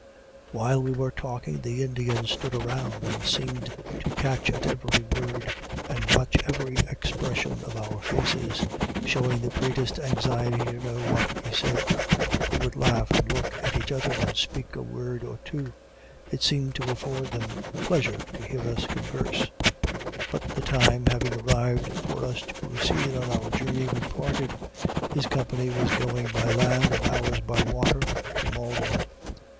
While we were talking, the Indians stood around and seemed to catch at every word, and watch every expression of our faces showing the greatest anxiety to know what we said. They would laugh, and look at each other and speak a word or two. It seemed to afford them pleasure to hear us converse. But the time having arrived for us to proceed on our journey, we parted his company was going by land, and ours by water, to Malden.